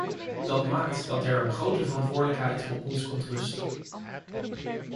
Dat maakt dat er een grote verantwoordelijkheid op ons komt te rusten.